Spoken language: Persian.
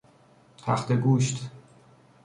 تخته گوشت